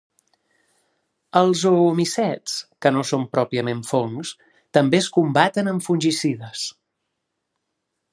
Els oomicets, que no són pròpiament fongs, també es combaten amb fungicides.